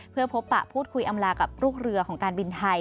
เพื่อพบปะพูดคุยอำลากับลูกเรือของการบินไทย